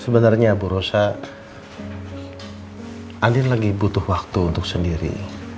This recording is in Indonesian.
sebenarnya bu rosa andin lagi butuh waktu untuk sendiri